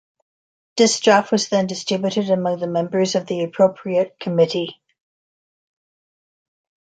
This draft was then distributed among the members of the appropriate committee.